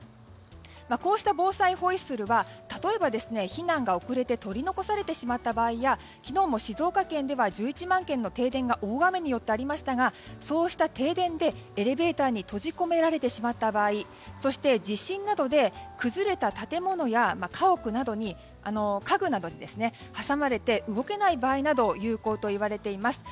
こうした防災ホイッスルは例えば避難が遅れて取り残されてしまった場合や昨日も静岡県では１１万軒の停電が大雨によってありましたがそうした停電でエレベーターに閉じ込められてしまった場合そして、地震などで崩れた建物や家具などに挟まれて動けない場合など有効といわれています。